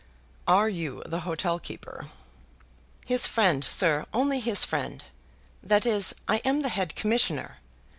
"Are you the hotelkeeper?" "His friend, sir; only his friend. That is, I am the head Commissionaire.